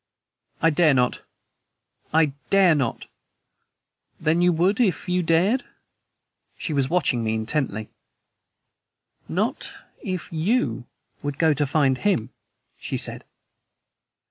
"I dare not! I dare not!" "Then you would if you dared?" She was watching me intently. "Not if YOU would go to find him," she said.